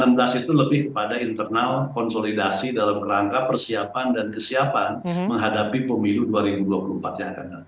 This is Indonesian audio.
mas anies itu lebih kepada internal konsolidasi dalam rangka persiapan dan kesiapan menghadapi pemilu dua ribu dua puluh empat ya